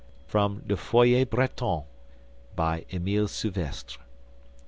From 'Le Foyer Breton,' par Emile Souvestre.